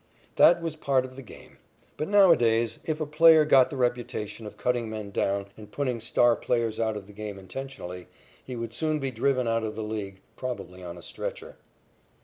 That was part of the game. But nowadays, if a player got the reputation of cutting men down and putting star players out of the game intentionally, he would soon be driven out of the League, probably on a stretcher.